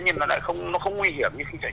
nhìn nó lại không nguy hiểm như khi chạy trôi